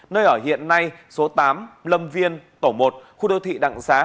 nơi ở hiện nay số tám lâm viên tổ một khu đô thị đặng xá